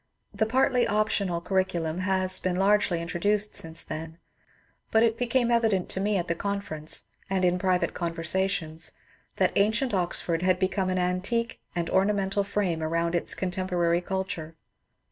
The partly optional curriculum has been largely introduced since then, but it became evident to me at the conference, and THE CRAWSHAYS AND THEIR GUESTS 293 in private conversations, that ancient Oxford had become an antique and ornamental frame aroimd its contemporary cul ture.